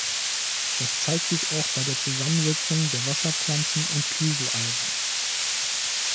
Das zeigt sich auch bei der Zusammensetzung der Wasserpflanzen und Kieselalgen.